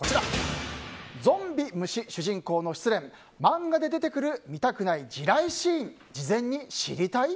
ゾンビ、虫、主人公の失恋漫画で出てくる見たくない地雷シーン事前に知りたい？